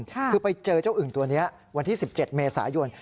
คือไปเจอเจ้าอึ่งตัวนี้วันที่๑๗เมษายน